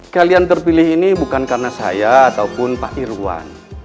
kalian terpilih ini bukan karena saya ataupun pak irwan